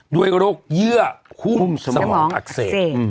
ด้วยโรคเยื่อหุ้มสมองอักเสบ